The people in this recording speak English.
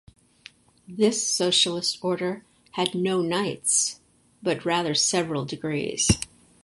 This socialist order had no knights but rather several degrees.